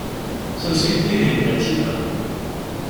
Sers-it dihin, mačči da!